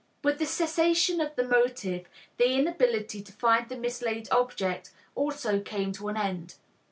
With the cessation of the motive, the inability to find the mislaid object also came to an end.